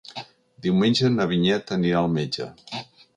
Diumenge na Vinyet anirà al metge.